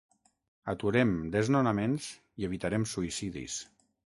Aturem desnonaments i evitarem suïcidis.